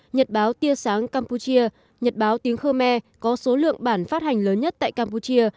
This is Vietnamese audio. nhật báo tiêu sáng campuchia nhật báo tiếng khơ me có số lượng bản phát hành lớn nhất tại campuchia